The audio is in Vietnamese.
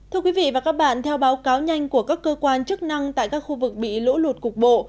thưa quý vị và các bạn theo báo cáo nhanh của các cơ quan chức năng tại các khu vực bị lỗ lụt cục bộ